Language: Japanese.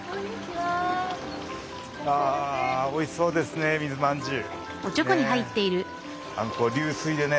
あおいしそうですね水まんじゅう。